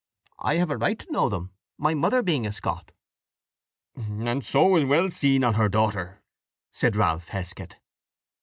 I have a right to know them, my mother being a Scot." "And so is well seen on her daughter," said Ralph Heskett.